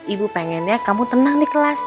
ibu pengennya kamu tenang di kelas